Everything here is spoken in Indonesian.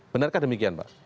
benarkah demikian pak